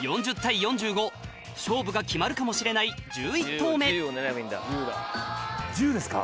勝負が決まるかもしれない１０ですか？